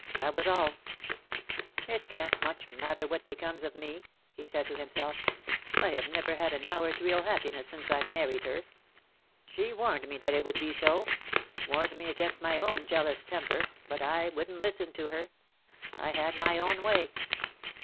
That was all. VOL. III. Q 226 '^LOVE BORE SUCH BITTER " It can^t much matter what becomes of me/' he said to himself. ^^ I have never had an hour's real happiness since I married her. She warned me that it would be so — warned me against my own jealous temper — but I wouldn't listen to her. I had my own way."